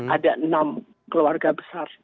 ada enam keluarga besar